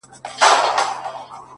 • چا چي کړي پر مظلوم باندي ظلمونه,